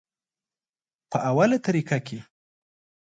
پۀ اوله طريقه کښې